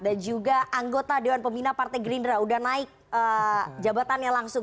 dan juga anggota dewan pembina partai green draw udah naik jabatannya langsung